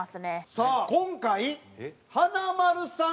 さあ今回華丸さん